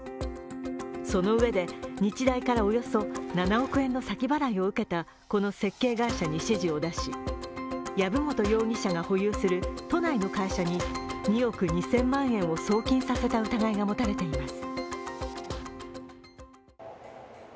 そのうえで日大からおよそ７億円の先払いを受けたこの設計会社に指示を出し籔本容疑者が保有する都内の会社に２億２０００万円を送金させた疑いが持たれています。